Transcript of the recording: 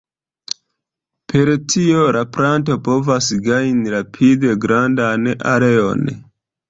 Per tio la planto povas gajni rapide grandan areon.